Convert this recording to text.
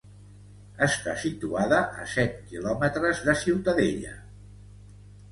Està situada a set quilòmetres de Ciutadella.